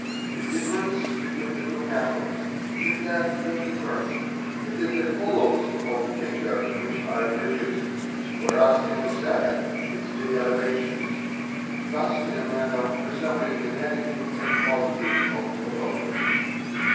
The difference between etwo methods is that in the first it is the hollows in the finger which 288 THE EXPERT are reproduced, whereas in the second it is the elevations; thus in a manner resembling the negative and positive of photography.